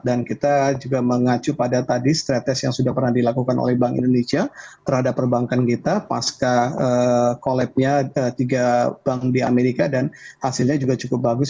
dan kita juga mengacu pada tadi strategi yang sudah pernah dilakukan oleh bank indonesia terhadap perbankan kita pasca collab nya tiga bank di amerika dan hasilnya juga cukup bagus